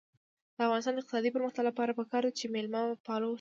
د افغانستان د اقتصادي پرمختګ لپاره پکار ده چې مېلمه پال اوسو.